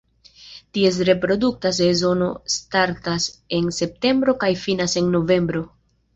Ties reprodukta sezono startas en septembro kaj finas en novembro.